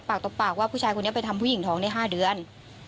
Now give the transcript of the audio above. ต่อปากว่าผู้ชายคนนี้ไปทำผู้หญิงท้องได้๕เดือน